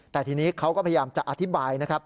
แต่ทีนี้เขาก็พยายามจะอธิบายนะครับ